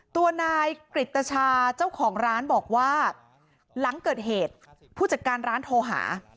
ตัวนายกริตชาเจ้าของร้านบอกว่าหลังเกิดเหตุผู้จัดการร้านโทรหา